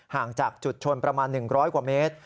ห่างจากจุดชนประมาณ๑๐๐กว่าเมตร